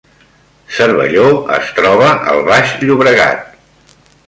Cervelló es troba al Baix Llobregat